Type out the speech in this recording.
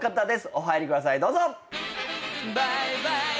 お入りくださいどうぞ。